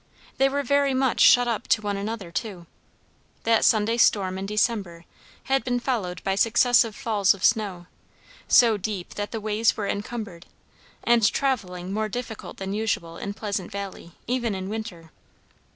They were very much shut up to one another, too. That Sunday storm in December had been followed by successive falls of snow, so deep that the ways were encumbered, and travelling more difficult than usual in Pleasant Valley even in winter.